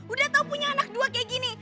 udah tau punya anak dua kayak gini